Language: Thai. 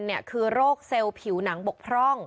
คือโรคเซลล์ผิวหนังบกพร่อง